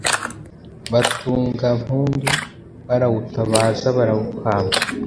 Butangampundu, barawutabaza barawuhamba.